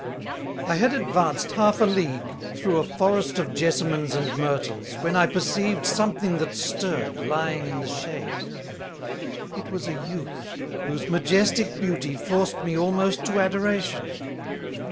_ I had advanced half a League, through a Forest of Jessamines and Myrtles, when I perceived something that stirred, lying in the Shade: It was a Youth, whose Majestick Beauty forced me almost to Adoration.